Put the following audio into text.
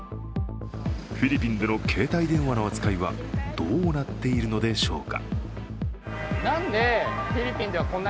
フィリピンでの携帯電話の扱いはどうなっているのでしょうか。